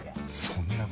そんな事。